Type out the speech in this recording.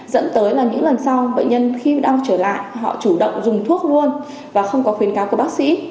dẫn tới là những lần sau bệnh nhân khi đang trở lại họ chủ động dùng thuốc luôn và không có khuyến cáo của bác sĩ